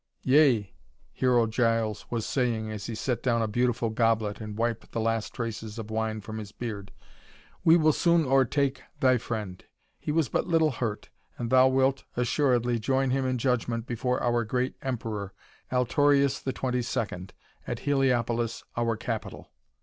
"Yea," Hero Giles was saying as he set down a beautiful goblet and wiped the last traces of wine from his beard, "we will soon o'ertake thy friend. He was but little hurt, and thou wilt assuredly join him in judgment before our great Emperor, Altorius XXII, at Heliopolis, our capital."